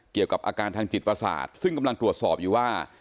เกี่ยวกับอาการทางจิตประสาทซึ่งกำลังตรวจสอบอยู่ว่า